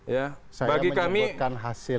saya menyebutkan hasil